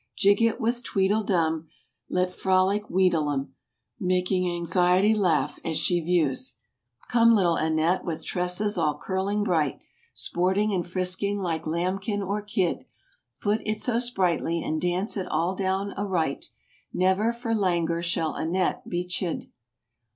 Jig it with tweedledum, Let frolic wheedle 'em, Making anxiety laugh as she views. FRANCE. S9 Come, little Annette, with tresses all curling bright, Sporting and frisking like lambkin or kid, Foot it so sprightly, and dance it all down aright: Never for langour shall Annette be chid.